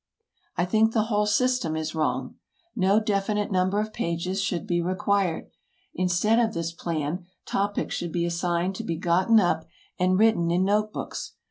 I think the whole system is wrong. No definite number of pages should be required. Instead of this plan, topics should be assigned to be gotten up and written in note books.